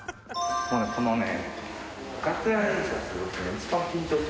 このね。